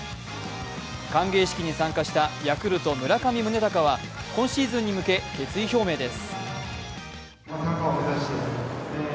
歓迎式に参加したヤクルト・村上宗隆は、今シーズンに向け、決意表明です。